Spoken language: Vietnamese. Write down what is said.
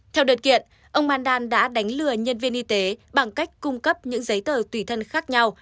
theo đợt kiện ông mandan đã đánh lừa nhân viên y tế bằng cách cung cấp những giấy tờ tùy thân khác nhau